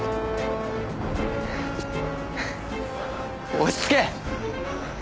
落ち着け！